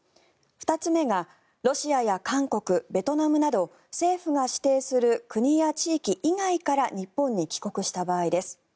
２つ目がロシアや韓国ベトナムなど政府が指定する国や地域以外から日本に帰国した場合です。